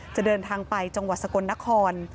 เดินทางไปจังหวัดสกลนคร